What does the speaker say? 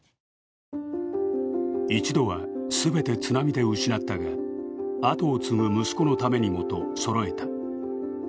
一度は全て津波で失ったが跡を継ぐ息子のためにもとそろえた。